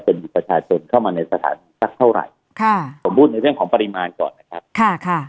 เป็นประชาชนเข้ามาในสถานีสักเท่าไหร่ค่ะผมพูดในเรื่องของปริมาณก่อนนะครับค่ะ